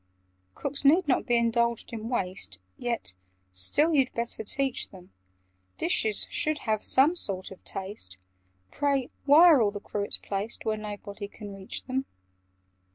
"Cooks need not be indulged in waste; Yet still you'd better teach them Dishes should have some sort of taste. Pray, why are all the cruets placed Where nobody can reach them?